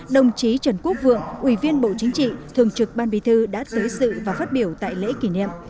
đồng chí trần quốc vượng ủy viên bộ chính trị thường trực ban bí thư đã tới sự và phát biểu tại lễ kỷ niệm